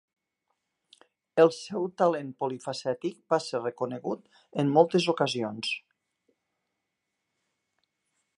El seu talent polifacètic va ser reconegut en moltes ocasions.